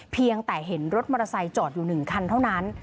เพียงแต่เห็นรถมอเตอร์ไซค์จอดอยู่๑คันเท่านั้น